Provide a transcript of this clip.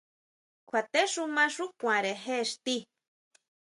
Kjuatexuma xú kuanʼre je ixti.